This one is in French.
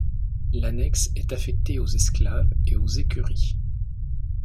L'annexe est affectée aux esclaves et aux écuries.